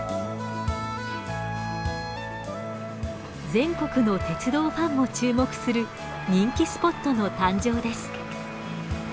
全国の鉄道ファンも注目する人気スポットの誕生です。